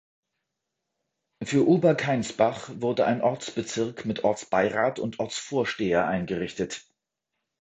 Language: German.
Für Ober-Kainsbach wurde ein Ortsbezirk mit Ortsbeirat und Ortsvorsteher eingerichtet.